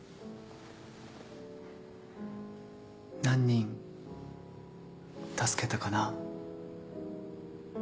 何人助けたかな。